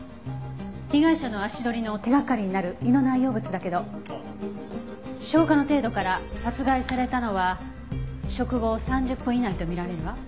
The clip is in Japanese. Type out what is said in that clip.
被害者の足取りの手掛かりになる胃の内容物だけど消化の程度から殺害されたのは食後３０分以内とみられるわ。